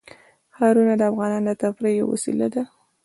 ښارونه د افغانانو د تفریح یوه وسیله ده.